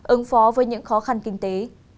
ứng phó với những khó khăn kinh tế